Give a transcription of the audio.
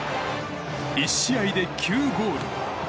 １試合で９ゴール。